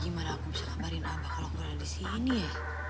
gimana aku bisa kabarin abah kalau berada di sini ya